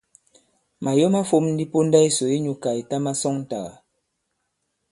Màyo ma fōm ndi ponda yisò inyū kà ìta masɔŋtàgà.